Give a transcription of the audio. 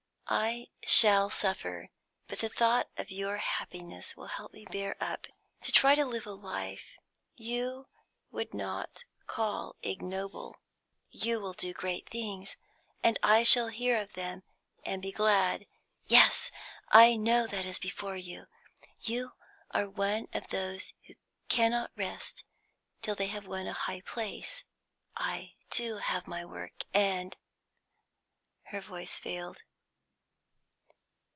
I shall suffer, but the thought of your happiness will help me to bear up and try to live a life you would not call ignoble. You will do great things, and I shall hear of them, and be glad. Yes; I know that is before you. You are one of those who cannot rest till they have won a high place. I, too, have my work, and " Her voice failed.